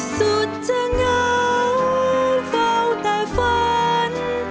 สุดจะเหงาเฝ้าแต่ฝัน